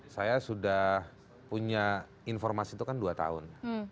saya sudah punya informasi itu kan dua tahun